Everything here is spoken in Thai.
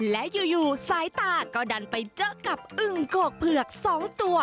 และอยู่สายตาก็ดันไปเจอกับอึ่งโกกเผือก๒ตัว